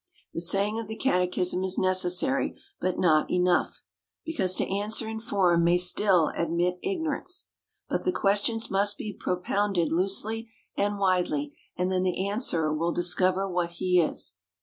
The saying of the catechism is necessary, but not enough : because to answer in form may still admit ignorance. But the questions must be propounded loosely and widely, and then the answerer will discover what he is.